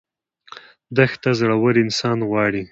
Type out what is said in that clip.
دښته زړور انسان غواړي.